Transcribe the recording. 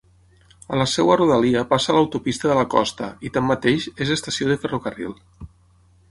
A la seva rodalia passa l'autopista de la costa i tanmateix és estació de ferrocarril.